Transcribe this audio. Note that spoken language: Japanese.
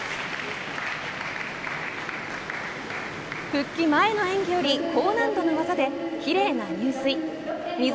復帰前の演技より高難度の技できれいな入水。